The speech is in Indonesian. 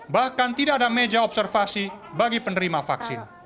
bahkan tidak ada meja observasi bagi penerima vaksin